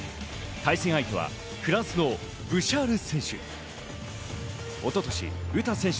対戦相手はフランスのブシャール選手。